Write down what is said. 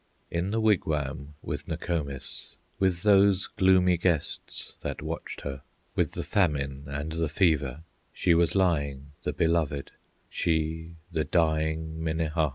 In the wigwam with Nokomis, With those gloomy guests that watched her, With the Famine and the Fever, She was lying, the Beloved, She, the dying Minnehaha.